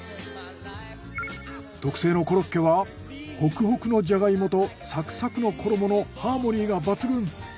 特製のコロッケはホクホクのジャガイモとサクサクの衣のハーモニーが抜群。